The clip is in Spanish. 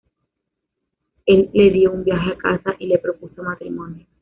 Él le dio un viaje a casa y le propuso matrimonio.